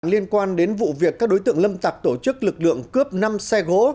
liên quan đến vụ việc các đối tượng lâm tặc tổ chức lực lượng cướp năm xe gỗ